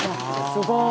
すごい。